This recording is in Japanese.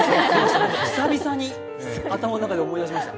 久々に頭の中で思い出しました。